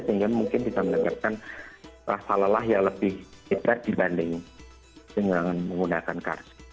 sehingga mungkin bisa menyebabkan rasa lelah yang lebih hebat dibanding dengan menggunakan kartu